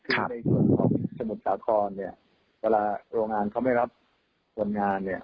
คือในส่วนของสมุทรสาครเนี่ยเวลาโรงงานเขาไม่รับคนงานเนี่ย